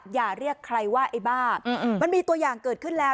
อย่าเรียกใครว่าไอ้บ้ามันมีตัวอย่างเกิดขึ้นแล้ว